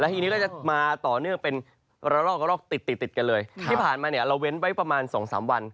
และทีนี้ก็จะมาต่อเนื่องเป็นรอกติดกันเลยที่ผ่านมาเนี่ยเราเว้นไว้ประมาณสองสามวัน